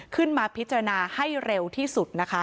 ขึ้นมาพิจารณาให้เร็วที่สุดนะคะ